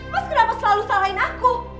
mas kenapa selalu salahin aku